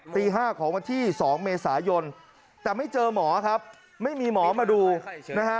ตี๕ของวันที่๒เมษายนแต่ไม่เจอหมอครับไม่มีหมอมาดูนะฮะ